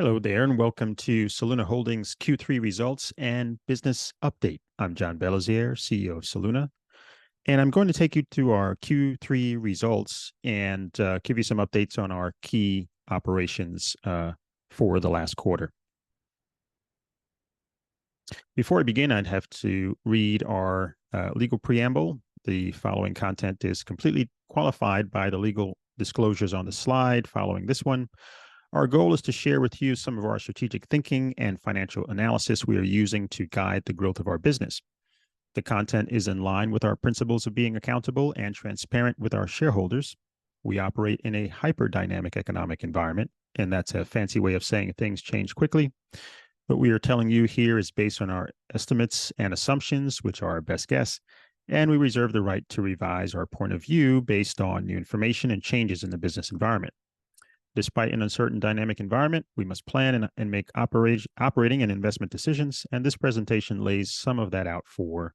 Hello there, and welcome to Soluna Holdings Q3 Results and Business Update. I'm John Belizaire, CEO of Soluna, and I'm going to take you through our Q3 results and give you some updates on our key operations for the last quarter. Before I begin, I'd have to read our legal preamble. The following content is completely qualified by the legal disclosures on the slide following this one. Our goal is to share with you some of our strategic thinking and financial analysis we are using to guide the growth of our business. The content is in line with our principles of being accountable and transparent with our shareholders. We operate in a hyper-dynamic economic environment, and that's a fancy way of saying things change quickly. What we are telling you here is based on our estimates and assumptions, which are our best guess, and we reserve the right to revise our point of view based on new information and changes in the business environment. Despite an uncertain dynamic environment, we must plan and make operating and investment decisions, and this presentation lays some of that out for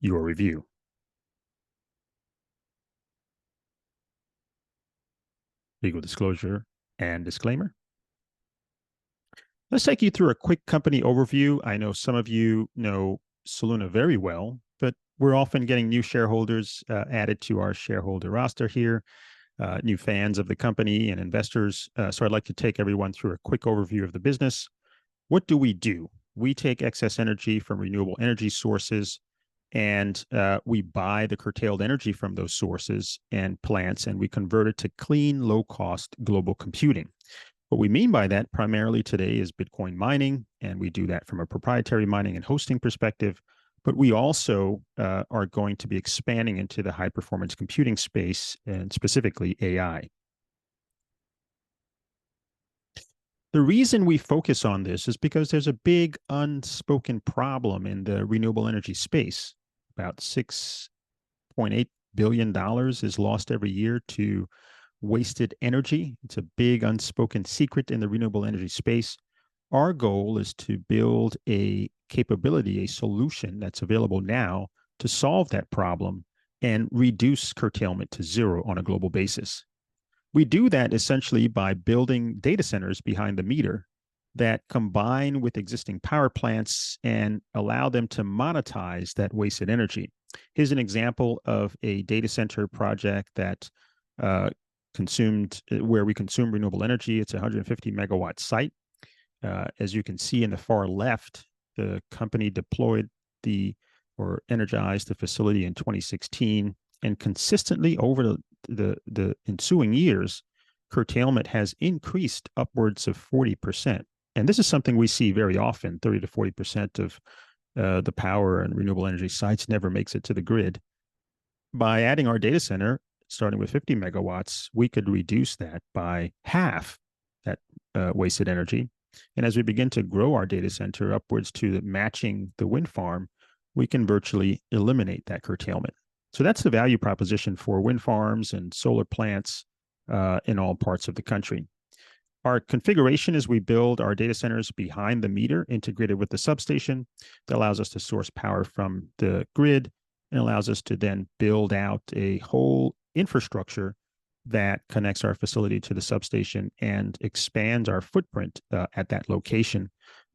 your review. Legal disclosure and disclaimer. Let's take you through a quick company overview. I know some of you know Soluna very well, but we're often getting new shareholders, added to our shareholder roster here, new fans of the company and investors. So I'd like to take everyone through a quick overview of the business. What do we do? We take excess energy from renewable energy sources, and we buy the curtailed energy from those sources and plants, and we convert it to clean, low-cost global computing. What we mean by that, primarily today, is Bitcoin mining, and we do that from a proprietary mining and hosting perspective, but we also are going to be expanding into the high-performance computing space, and specifically AI. The reason we focus on this is because there's a big unspoken problem in the renewable energy space. About $6.8 billion is lost every year to wasted energy. It's a big unspoken secret in the renewable energy space. Our goal is to build a capability, a solution that's available now to solve that problem and reduce curtailment to zero on a global basis. We do that essentially by building data centers behind the meter that combine with existing power plants and allow them to monetize that wasted energy. Here's an example of a data center project that, where we consume renewable energy. It's a 150 MW site. As you can see in the far left, the company deployed or energized the facility in 2016, and consistently over the ensuing years, curtailment has increased upwards of 40%. And this is something we see very often, 30%-40% of the power and renewable energy sites never makes it to the grid. By adding our data center, starting with 50 MW, we could reduce that by half, that wasted energy. And as we begin to grow our data center upwards to matching the wind farm, we can virtually eliminate that curtailment. That's the value proposition for wind farms and solar plants in all parts of the country. Our configuration is we build our data centers behind the meter, integrated with the substation. That allows us to source power from the grid and allows us to then build out a whole infrastructure that connects our facility to the substation and expands our footprint at that location,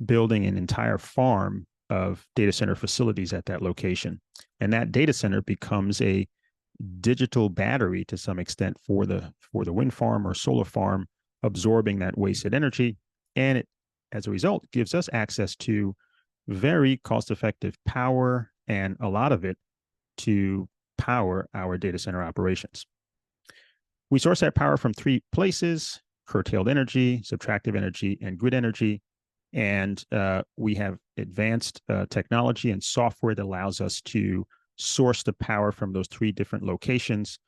building an entire farm of data center facilities at that location. That data center becomes a digital battery to some extent, for the wind farm or solar farm, absorbing that wasted energy, and it, as a result, gives us access to very cost-effective power, and a lot of it, to power our data center operations. We source that power from three places: curtailed energy, subtractive energy, and grid energy. We have advanced technology and software that allows us to source the power from those three different locations.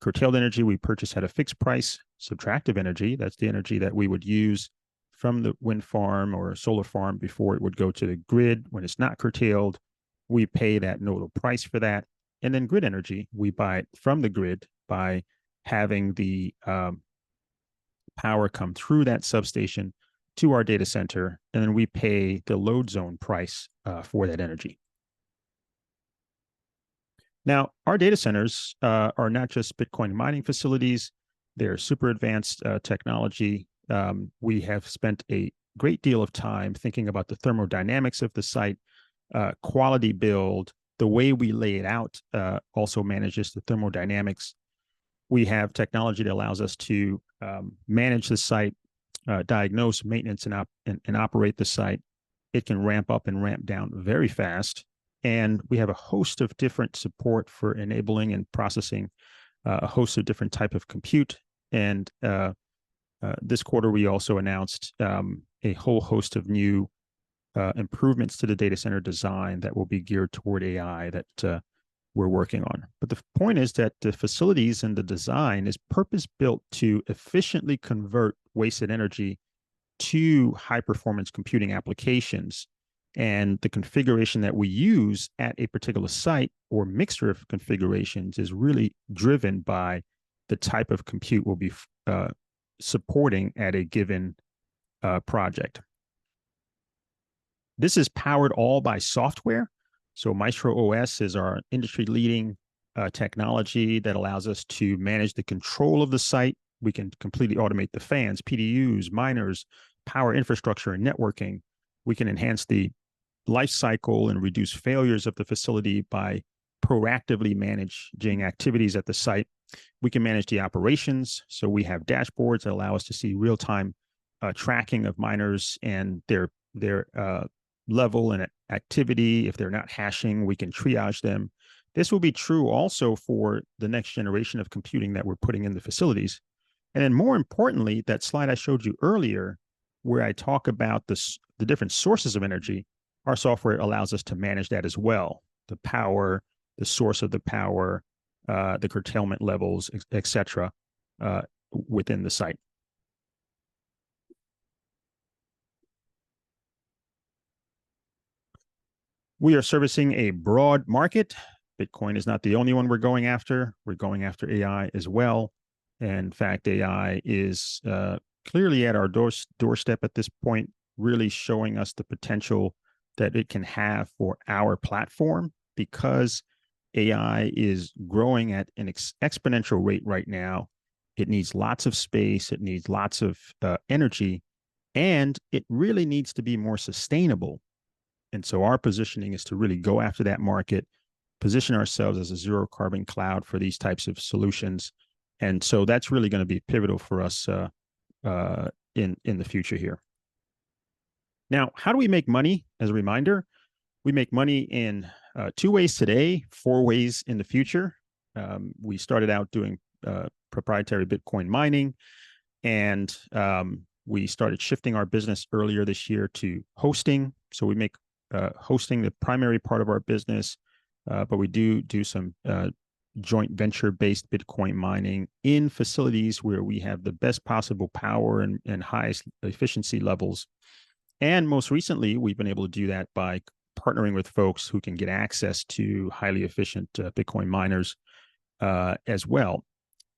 Curtailed energy, we purchase at a fixed price. Subtractive energy, that's the energy that we would use from the wind farm or solar farm before it would go to the grid. When it's not curtailed, we pay that nodal price for that. And then grid energy, we buy it from the grid by having the power come through that substation to our data center, and then we pay the load zone price for that energy. Now, our data centers are not just Bitcoin mining facilities. They're super advanced technology. We have spent a great deal of time thinking about the thermodynamics of the site, quality build. The way we lay it out also manages the thermodynamics. We have technology that allows us to manage the site, diagnose maintenance and operate the site. It can ramp up and ramp down very fast, and we have a host of different support for enabling and processing a host of different type of compute. This quarter, we also announced a whole host of new improvements to the data center design that will be geared toward AI that we're working on. But the point is that the facilities and the design is purpose-built to efficiently convert wasted energy to high-performance computing applications, and the configuration that we use at a particular site, or mixture of configurations, is really driven by the type of compute we'll be supporting at a given project. This is powered all by software, so Maestro OS is our industry-leading technology that allows us to manage the control of the site. We can completely automate the fans, PDUs, miners, power infrastructure, and networking. We can enhance the life cycle and reduce failures of the facility by proactively managing activities at the site. We can manage the operations, so we have dashboards that allow us to see real-time tracking of miners and their level and activity. If they're not hashing, we can triage them. This will be true also for the next generation of computing that we're putting in the facilities. And then more importantly, that slide I showed you earlier where I talk about the different sources of energy, our software allows us to manage that as well, the power, the source of the power, the curtailment levels, etcetera, within the site. We are servicing a broad market. Bitcoin is not the only one we're going after. We're going after AI as well, and in fact, AI is clearly at our doorstep at this point, really showing us the potential that it can have for our platform. Because AI is growing at an exponential rate right now, it needs lots of space, it needs lots of energy, and it really needs to be more sustainable. And so our positioning is to really go after that market, position ourselves as a zero-carbon cloud for these types of solutions. And so that's really gonna be pivotal for us in the future here. Now, how do we make money? As a reminder, we make money in two ways today, four ways in the future. We started out doing proprietary Bitcoin mining, and we started shifting our business earlier this year to hosting. So we make hosting the primary part of our business, but we do do some joint venture-based Bitcoin mining in facilities where we have the best possible power and highest efficiency levels. And most recently, we've been able to do that by partnering with folks who can get access to highly efficient Bitcoin miners as well.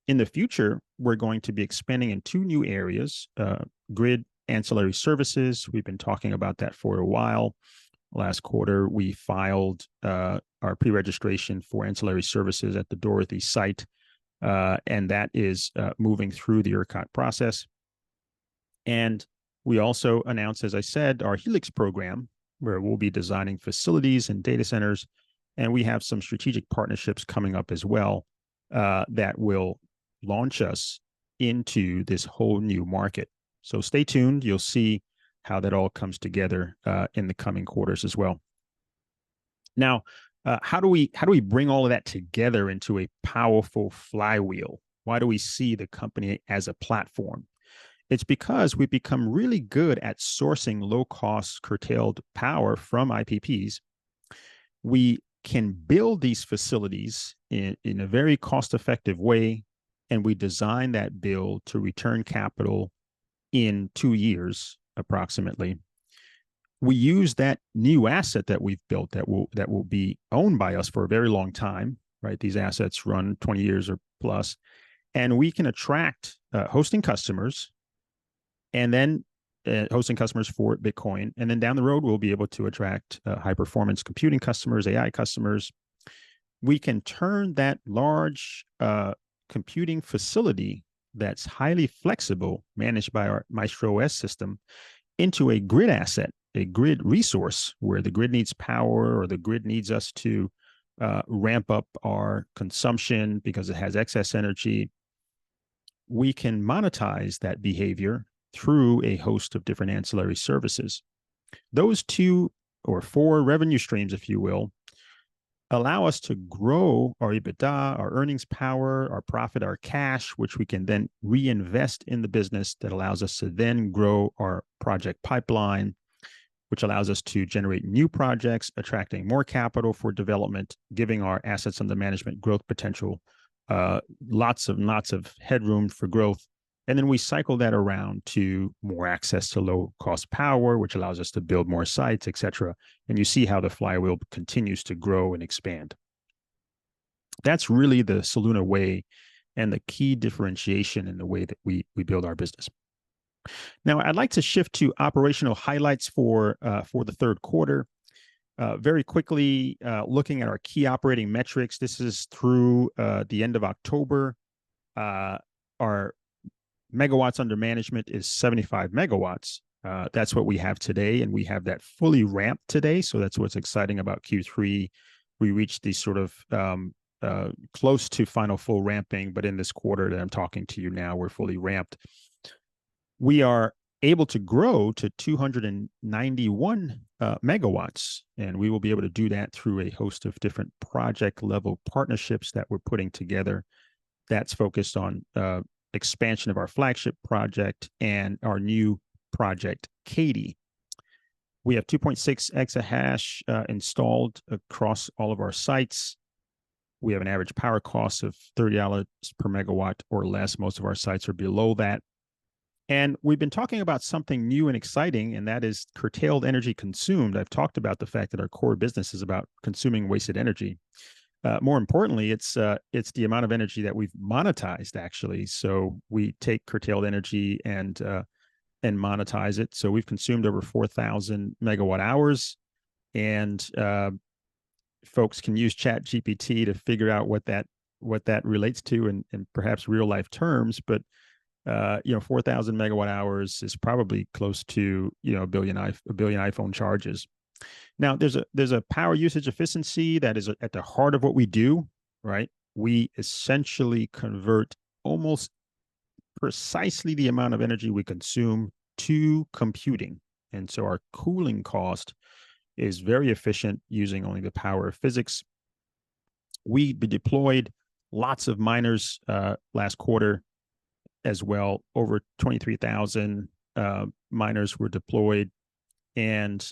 In the future, we're going to be expanding in two new areas: grid ancillary services, we've been talking about that for a while. Last quarter, we filed our pre-registration for ancillary services at the Dorothy site, and that is moving through the ERCOT process. We also announced, as I said, our Helix program, where we'll be designing facilities and data centers, and we have some strategic partnerships coming up as well that will launch us into this whole new market. So stay tuned, you'll see how that all comes together in the coming quarters as well. Now, how do we, how do we bring all of that together into a powerful flywheel? Why do we see the company as a platform? It's because we've become really good at sourcing low-cost, curtailed power from IPPs. We can build these facilities in a very cost-effective way, and we design that build to return capital in two years, approximately. We use that new asset that we've built that will be owned by us for a very long time, right? These assets run 20 years or plus. And we can attract hosting customers, and then hosting customers for Bitcoin, and then down the road, we'll be able to attract high-performance computing customers, AI customers. We can turn that large computing facility that's highly flexible, managed by our Maestro OS system, into a grid asset, a grid resource, where the grid needs power or the grid needs us to ramp up our consumption because it has excess energy. We can monetize that behavior through a host of different ancillary services. Those two or four revenue streams, if you will, allow us to grow our EBITDA, our earnings power, our profit, our cash, which we can then reinvest in the business, that allows us to then grow our project pipeline, which allows us to generate new projects, attracting more capital for development, giving our assets under management growth potential, lots of, lots of headroom for growth. Then we cycle that around to more access to low-cost power, which allows us to build more sites, etcetera, and you see how the flywheel continues to grow and expand. That's really the Soluna way and the key differentiation in the way that we, we build our business. Now, I'd like to shift to operational highlights for the third quarter. Very quickly, looking at our key operating metrics, this is through the end of October. Our MW under management is 75 MW. That's what we have today, and we have that fully ramped today, so that's what's exciting about Q3. We reached the sort of close to final full ramping, but in this quarter that I'm talking to you now, we're fully ramped. We are able to grow to 291 MW, and we will be able to do that through a host of different project-level partnerships that we're putting together that's focused on expansion of our flagship project and our new project, Kati. We have 2.6 exahash installed across all of our sites. We have an average power cost of $30 per MW or less. Most of our sites are below that. We've been talking about something new and exciting, and that is curtailed energy consumed. I've talked about the fact that our core business is about consuming wasted energy. More importantly, it's the amount of energy that we've monetized, actually. So we take curtailed energy and monetize it. So we've consumed over 4,000 MWh, and folks can use ChatGPT to figure out what that, what that relates to in, in perhaps real-life terms. But you know, 4,000 MWh is probably close to, you know, 1 billion iPhone charges. Now, there's a power usage efficiency that is at the heart of what we do, right? We essentially convert almost precisely the amount of energy we consume to computing, and so our cooling cost is very efficient, using only the power of physics. We deployed lots of miners last quarter as well. Over 23,000 miners were deployed, and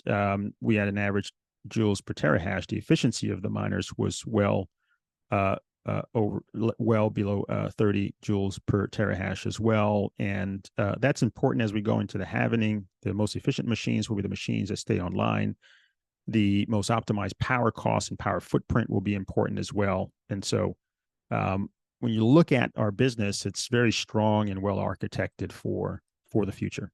we had an average joules per terahash. The efficiency of the miners was well below 30 joules per terahash as well. That's important as we go into the halvening. The most efficient machines will be the machines that stay online. The most optimized power costs and power footprint will be important as well. So, when you look at our business, it's very strong and well-architected for the future.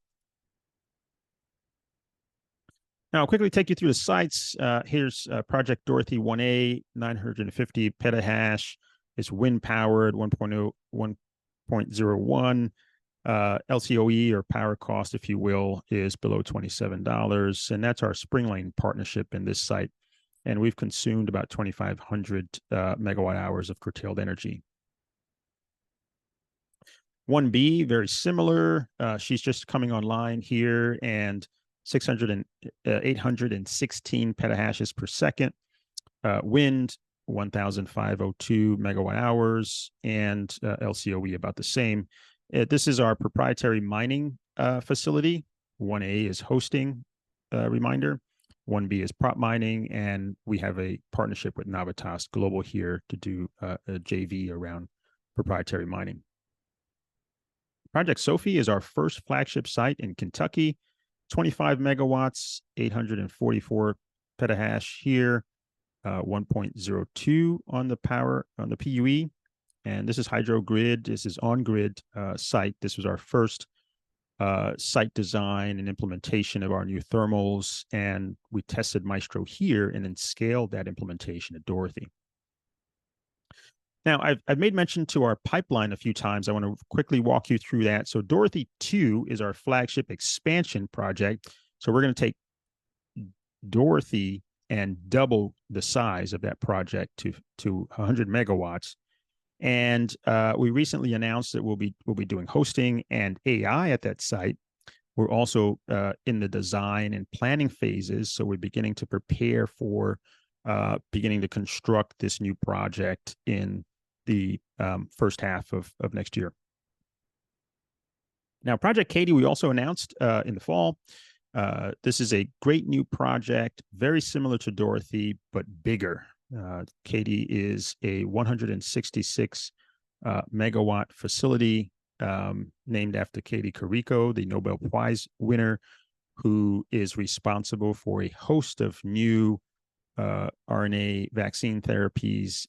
Now, I'll quickly take you through the sites. Here's Project Dorothy 1A, 950 petahash. It's wind-powered, 1.01. LCOE or power cost, if you will, is below $27, and that's our Spring Lane partnership in this site, and we've consumed about 2,500 MWh of curtailed energy. 1B, very similar. She's just coming online here, and 816 petahashes per second. Wind, 1,502 MWh, and LCOE about the same. This is our proprietary mining facility. 1A is hosting, reminder, 1B is prop mining, and we have a partnership with Navitas Global here to do a JV around proprietary mining. Project Sophie is our first flagship site in Kentucky. 25 MW, 844 petahash here, 1.02 on the PUE, and this is hydro grid. This is on-grid site. This was our first site design and implementation of our new thermals, and we tested Maestro here and then scaled that implementation at Dorothy. Now, I've made mention to our pipeline a few times. I want to quickly walk you through that. So Dorothy 2 is our flagship expansion project. So we're gonna take Dorothy and double the size of that project to 100 MW, and we recently announced that we'll be doing hosting and AI at that site. We're also in the design and planning phases, so we're beginning to prepare for beginning to construct this new project in the first half of next year. Now, Project Kati, we also announced in the fall. This is a great new project, very similar to Dorothy, but bigger. Kati is a 166 MW facility, named after Katalin Karikó, the Nobel Prize winner, who is responsible for a host of new RNA vaccine therapies.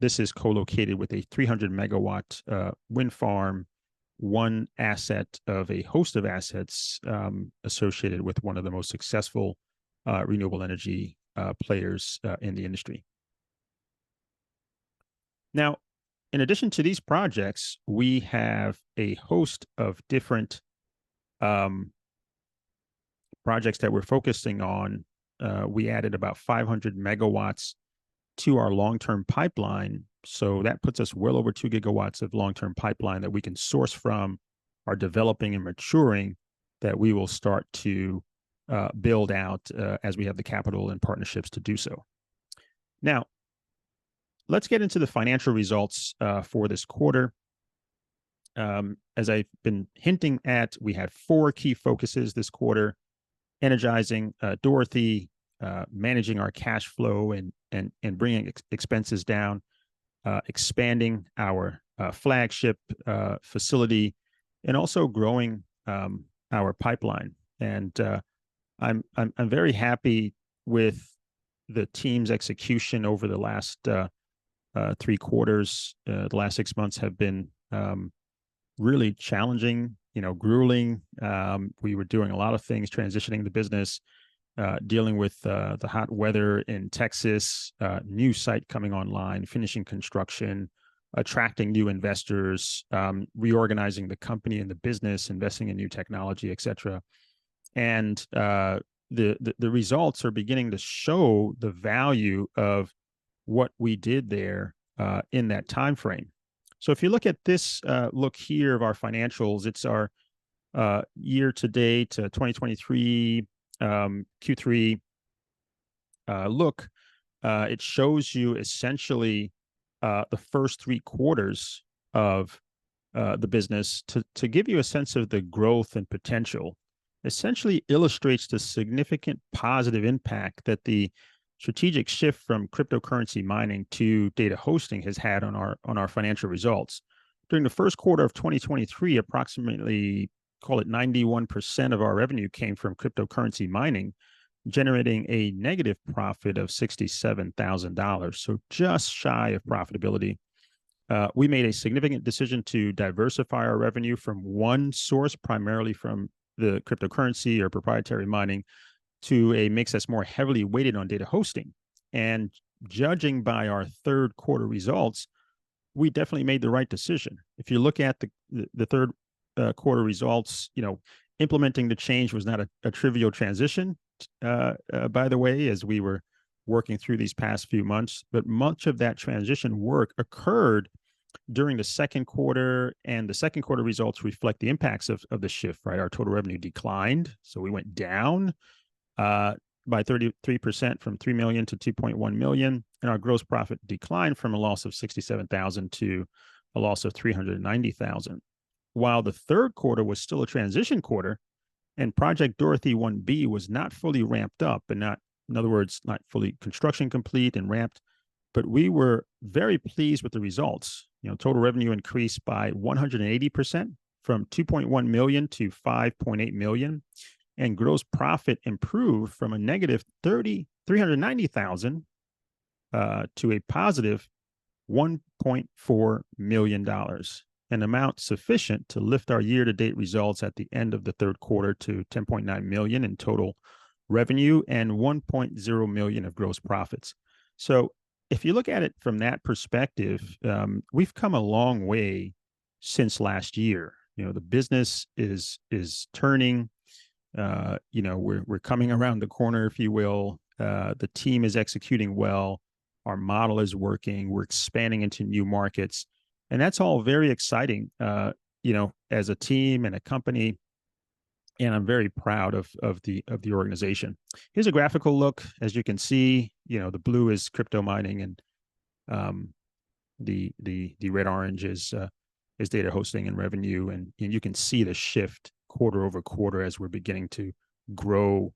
This is co-located with a 300 MW wind farm, one asset of a host of assets, associated with one of the most successful renewable energy players in the industry. Now, in addition to these projects, we have a host of different projects that we're focusing on. We added about 500 MW to our long-term pipeline, so that puts us well over 2 GW of long-term pipeline that we can source from, are developing and maturing, that we will start to build out as we have the capital and partnerships to do so. Now, let's get into the financial results for this quarter. As I've been hinting at, we had four key focuses this quarter: energizing Dorothy, managing our cash flow and bringing expenses down, expanding our flagship facility, and also growing our pipeline. I'm very happy with the team's execution over the last three quarters. The last six months have been really challenging, you know, grueling. We were doing a lot of things, transitioning the business, dealing with the hot weather in Texas, new site coming online, finishing construction, attracting new investors, reorganizing the company and the business, investing in new technology, et cetera. The results are beginning to show the value of what we did there in that timeframe. So if you look at this, look here of our financials, it's our, year-to-date to 2023 Q3, look. It shows you essentially the first three quarters of the business to give you a sense of the growth and potential. Essentially illustrates the significant positive impact that the strategic shift from cryptocurrency mining to data hosting has had on our, on our financial results. During the first quarter of 2023, approximately, call it 91% of our revenue came from cryptocurrency mining, generating a negative profit of $67,000, so just shy of profitability. We made a significant decision to diversify our revenue from one source, primarily from the cryptocurrency or proprietary mining, to a mix that's more heavily weighted on data hosting. And judging by our third quarter results, we definitely made the right decision. If you look at the third quarter results, you know, implementing the change was not a trivial transition, by the way, as we were working through these past few months. But much of that transition work occurred during the second quarter, and the second quarter results reflect the impacts of the shift, right? Our total revenue declined, so we went down by 33%, from $3 million to $2.1 million, and our gross profit declined from a loss of $67,000 to a loss of $390,000. While the third quarter was still a transition quarter, and Project Dorothy 1B was not fully ramped up, and not in other words, not fully construction complete and ramped, but we were very pleased with the results. You know, total revenue increased by 180% from $2.1 million to $5.8 million, and gross profit improved from a negative $339,000 to a positive $1.4 million, an amount sufficient to lift our year-to-date results at the end of the third quarter to $10.9 million in total revenue and $1.0 million of gross profits. So if you look at it from that perspective, we've come a long way since last year. You know, the business is turning. You know, we're coming around the corner, if you will. The team is executing well. Our model is working. We're expanding into new markets, and that's all very exciting, you know, as a team and a company, and I'm very proud of the organization. Here's a graphical look. As you can see, you know, the blue is crypto mining, and the red-orange is data hosting and revenue. And you can see the shift quarter-over-quarter as we're beginning to grow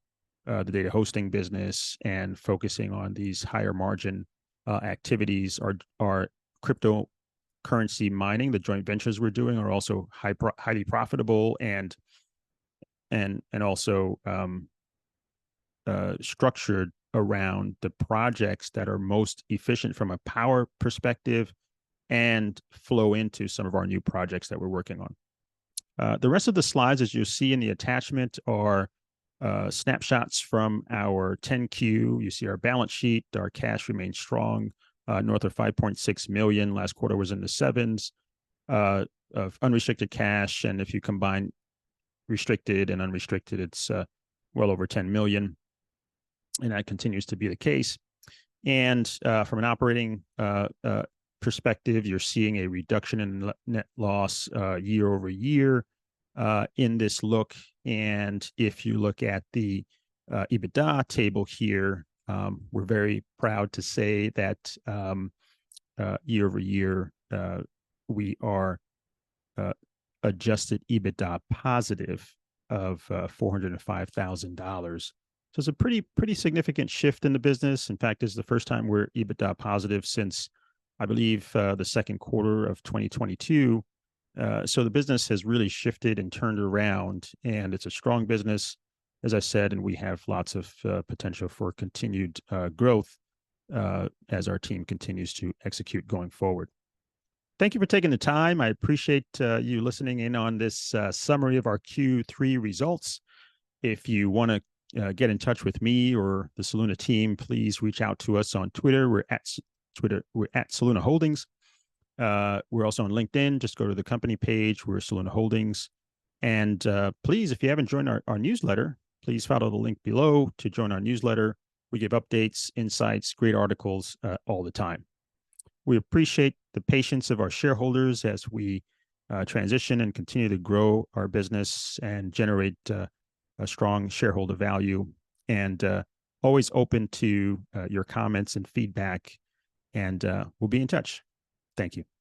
the data hosting business and focusing on these higher margin activities. Our cryptocurrency mining, the joint ventures we're doing, are also highly profitable and also structured around the projects that are most efficient from a power perspective and flow into some of our new projects that we're working on. The rest of the slides, as you see in the attachment, are snapshots from our 10-Q. You see our balance sheet. Our cash remains strong north of $5.6 million. Last quarter was in the sevens of unrestricted cash, and if you combine restricted and unrestricted, it's well over $10 million, and that continues to be the case. From an operating perspective, you're seeing a reduction in net loss year-over-year in this look. If you look at the EBITDA table here, we're very proud to say that year-over-year, we are adjusted EBITDA positive of $405,000. So it's a pretty significant shift in the business. In fact, this is the first time we're EBITDA positive since, I believe, the second quarter of 2022. So the business has really shifted and turned around, and it's a strong business, as I said, and we have lots of potential for continued growth as our team continues to execute going forward. Thank you for taking the time. I appreciate you listening in on this summary of our Q3 results. If you wanna get in touch with me or the Soluna team, please reach out to us on Twitter. We're at Twitter, we're @SolunaHoldings. We're also on LinkedIn. Just go to the company page, we're Soluna Holdings. And please, if you haven't joined our newsletter, please follow the link below to join our newsletter. We give updates, insights, great articles all the time. We appreciate the patience of our shareholders as we transition and continue to grow our business and generate a strong shareholder value, and always open to your comments and feedback. We'll be in touch. Thank you.